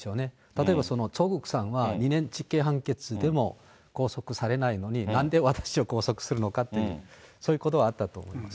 例えばチョ・グクさんは、２年実刑判決でも拘束されないのに、なんで私は拘束するのかという、そういうことはあったと思います。